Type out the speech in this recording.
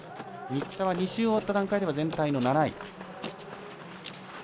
新田は２周終わった段階では全体の７位。